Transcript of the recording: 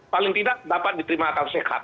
paling tidak dapat diterima akal sehat